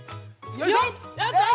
よいしょ！